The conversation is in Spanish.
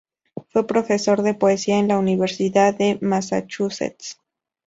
Fue profesor de poesía en la Universidad de Massachusetts.